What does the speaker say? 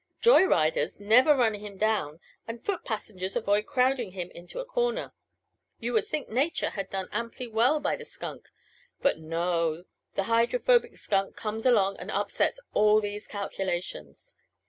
Joy riders never run him down and foot passengers avoid crowding him into a corner. You would think Nature had done amply well by the skunk; but no the Hydrophobic Skunk comes along and upsets all these calculations.